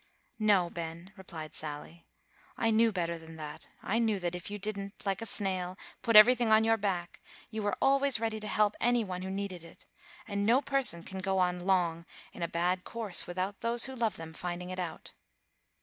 "No, Ben," replied Sally; "I knew better than that. I knew that, if you didn't, like a snail, put everything on your back, you were always ready to help any one who needed it; and no person can go on long in a bad course without those who love them finding it out."